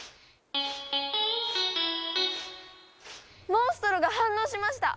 モンストロが反応しました！